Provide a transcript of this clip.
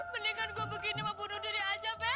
mendingan gue begini mah bunuh diri aja bea